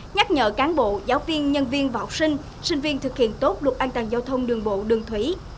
nhắc nhở cán bộ giáo viên nhân viên và học sinh sinh viên thực hiện tốt luật an toàn giao thông đường bộ đường thủy